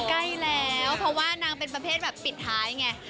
ใกล้แล้วเพราะว่านางเป็นประเภทแบบปิดท้ายไง